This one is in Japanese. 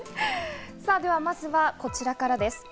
さぁ、まずはこちらからです。